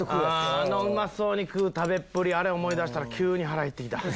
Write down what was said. あのうまそうに食う食べっぷり思い出したら急に腹へって来た。